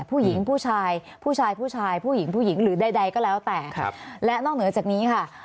ผู้ชายผู้ชายผู้หญิงผู้หญิงหรือใดใดก็แล้วแต่ครับและนอกเหนือจากนี้ค่ะ